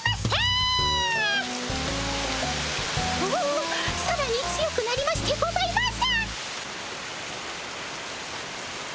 おおさらに強くなりましてございます。